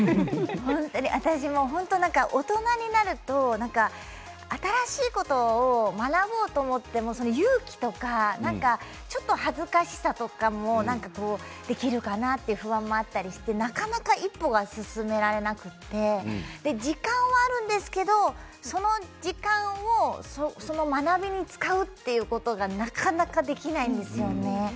私も本当に大人になると新しいことを学ぼうと思っても勇気とか、ちょっと恥ずかしさとかもできるかなという不安もあったりして、なかなか一歩が進められなくて時間はあるんですけどその時間をその学びに使うということがなかなかできないんですよね。